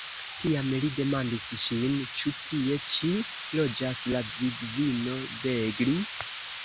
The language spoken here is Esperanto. Tiam li demandis ŝin: "Ĉu tie ĉi loĝas la vidvino Begli?"